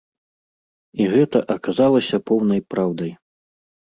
І гэта аказалася поўнай праўдай.